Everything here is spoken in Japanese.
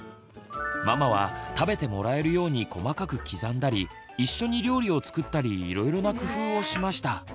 ママは食べてもらえるように細かく刻んだり一緒に料理を作ったりいろいろな工夫をしました。